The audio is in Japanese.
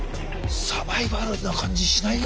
サバイバルな感じしないよ？